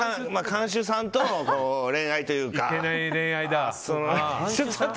看守さんと恋愛というか。